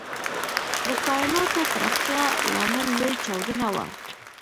د کائناتو پراختیا لامل لوی چاودنه وه.